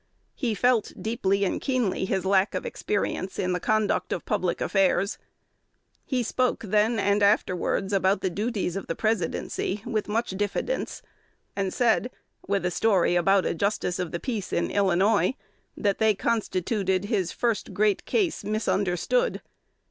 He felt deeply and keenly his lack of experience in the conduct of public affairs. He spoke then and afterwards about the duties of the Presidency with much diffidence, and said, with a story about a justice of the peace in Illinois, that they constituted his "great first case misunderstood."